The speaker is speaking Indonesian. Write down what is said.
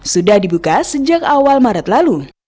sudah dibuka sejak awal maret lalu